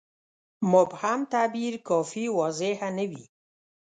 مبهم تعبیر کافي واضحه نه وي.